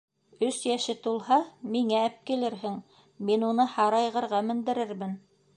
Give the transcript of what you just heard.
Өс йәше тулһа, миңә әпкилерһең, мин уны һарайғырға мендерермен!